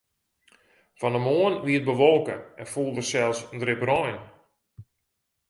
Fan 'e moarn wie it bewolke en foel der sels in drip rein.